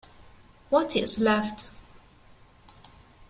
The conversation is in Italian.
What Is Left?